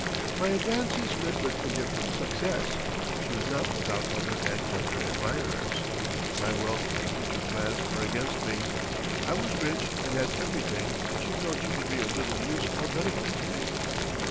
My advances met with indifferent success. She was not without other and younger admirers. My wealth and future plans were against me. I was rich and had everything and she felt she could be of little use or benefit to me.